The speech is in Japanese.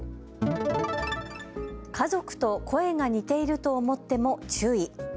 家族と声が似ていると思っても注意。